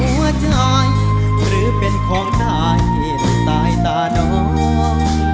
บอกให้แค่หัวใจหรือเป็นของใดหรือตายตาน้อง